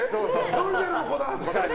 ドンジャラの子だって。